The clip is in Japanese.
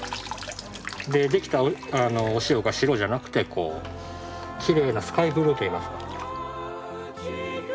でできたお塩が白じゃなくてきれいなスカイブルーといいますか。